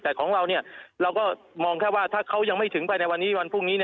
แต่ของเราเราก็มองแค่ว่าถ้าเขายังไม่ถึงไปในวันนี้วันพรุ่งนี้